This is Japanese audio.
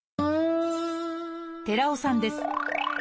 寺尾さんです。